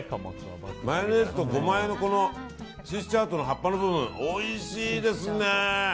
マヨネーズとゴマあえのスイスチャードの葉っぱの部分、おいしいですね。